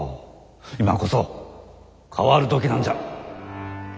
今こそ変わる時なんじゃ。